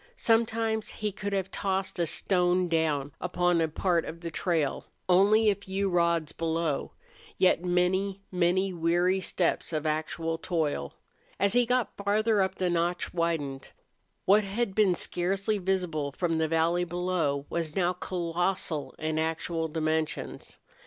Sometimes he could have tossed a stone down upon a part of the trail, only a few rods below, yet many, many weary steps of actual toil. As he got farther up the notch widened. What had been scarcely visible from the valley below was now colossal in actual dimensions.